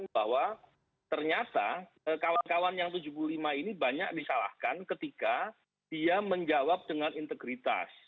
bahwa ternyata kawan kawan yang tujuh puluh lima ini banyak disalahkan ketika dia menjawab dengan integritas